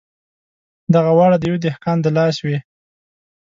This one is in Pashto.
دغه واړه د یوه دهقان د لاس وې.